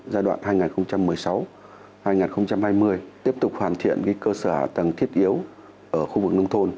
giai đoạn hai nghìn một mươi sáu hai nghìn hai mươi tiếp tục hoàn thiện cơ sở hạ tầng thiết yếu ở khu vực nông thôn